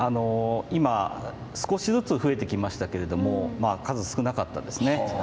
今少しずつ増えてきましたけれども数少なかったですね。